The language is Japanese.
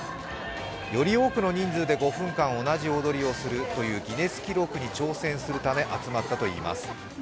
より多くの人数で５分間同じ踊りをするという、ギネス記録に挑戦するため集まったといいます。